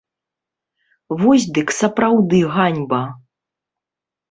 Вось дык сапраўды ганьба.